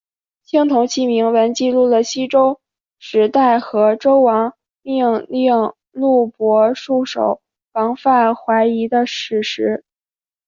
青铜器铭文记录了西周时代的周王命令录伯戍守防范淮夷的史实。